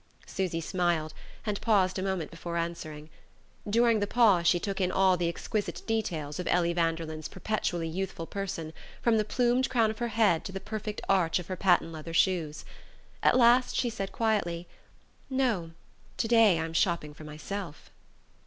Susy smiled, and paused a moment before answering. During the pause she took in all the exquisite details of Ellie Vanderlyn's perpetually youthful person, from the plumed crown of her head to the perfect arch of her patent leather shoes. At last she said quietly: "No to day I'm shopping for myself."